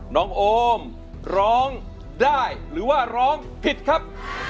น้องโอมร้องได้หรือว่าร้องผิดครับ